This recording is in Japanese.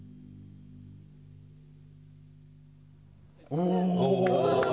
お！